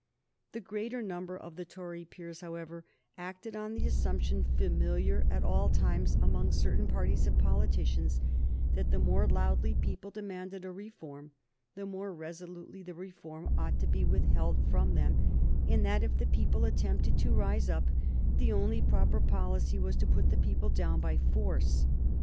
The greater number of the Tory peers, however, acted on the assumption, familiar at all times among certain parties of politicians, that the more loudly people demanded a reform the more resolutely the reform ought to be withheld from them, and that, if the people attempted to rise up, the only proper policy was to put the people down by force.